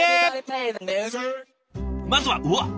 まずはうわっ！